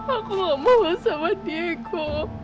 aku gak mau sama diego